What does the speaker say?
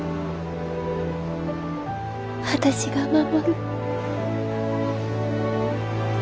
私が守る。